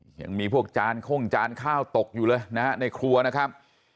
ยังมีพวกจานโค้งจานข้าวตกอยู่เลยนะฮะในครัวนะครับ